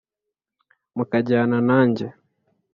mukajyana nanjye